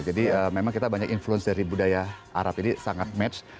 memang kita banyak influence dari budaya arab ini sangat match